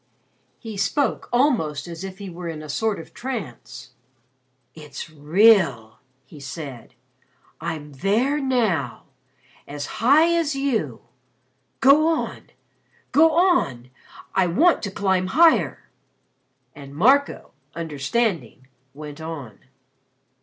He spoke almost as if he were in a sort of trance. "It's real," he said. "I'm there now. As high as you go on go on. I want to climb higher." And Marco, understanding, went on.